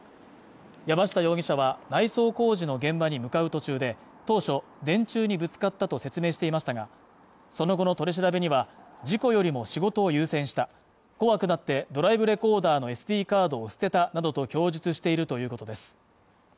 山下容疑者は内装工事の現場に向かう途中で、当初、電柱にぶつかったと説明していましたがその後の取り調べには、事故よりも仕事を優先した怖くなって、ドライブレコーダーのＳＤカードを捨てたなどと供述しているということです。